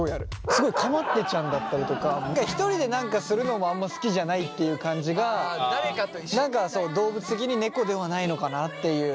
すごいかまってちゃんだったりとか一人で何かするのもあんま好きじゃないっていう感じが動物的に猫ではないのかなっていう。